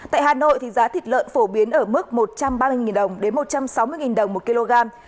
tại hà nội giá thịt lợn phổ biến ở mức một trăm ba mươi đồng đến một trăm sáu mươi đồng một kg